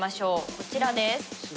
こちらです。